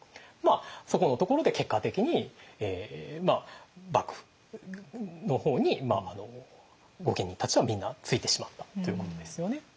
まあそこのところで結果的に幕府の方に御家人たちはみんなついてしまったということですよね。